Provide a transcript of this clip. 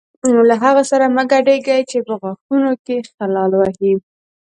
له هغو سره مه ګډېږئ چې په غاښونو کې خلال وهي.